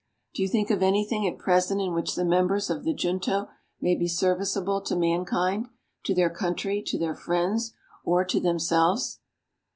Do you think of anything at present in which the members of the Junto may be serviceable to mankind, to their country, to their friends, or to themselves?